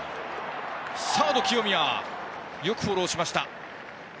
サード、清宮よくフォローしました。